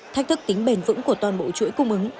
thách thức tính bền vững của toàn bộ chuỗi cung ứng